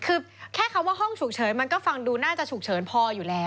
คือแค่คำว่าห้องฉุกเฉินมันก็ฟังดูน่าจะฉุกเฉินพออยู่แล้ว